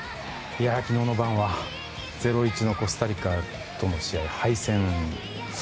昨日の晩は０−１のコスタリカとの試合、敗戦。